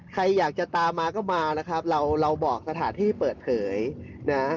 ใครอยากจะตามมาก็มานะครับเราเราบอกสถานที่เปิดเผยนะ